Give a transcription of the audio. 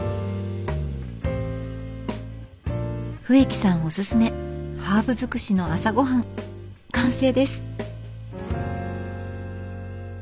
笛木さんおすすめハーブ尽くしの朝ごはん完成です。